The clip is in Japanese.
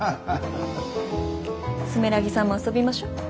住良木さんも遊びましょ。